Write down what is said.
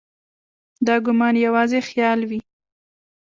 دا ګومان یوازې خیال وي.